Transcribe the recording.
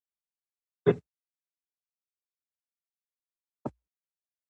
که نازو انا یاده کړو نو خوب نه راځي.